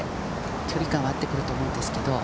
距離感はあってくると思うんですけれど。